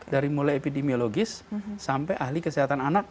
dari mulai epidemiologis sampai ahli kesehatan anak